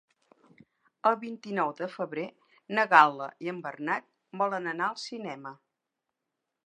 El vint-i-nou de febrer na Gal·la i en Bernat volen anar al cinema.